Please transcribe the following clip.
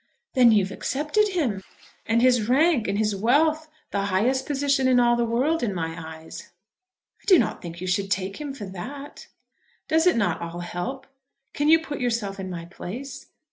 "Then you have accepted him?" "And his rank and his wealth! The highest position in all the world in my eyes." "I do not think you should take him for that." "Does it not all help? Can you put yourself in my place?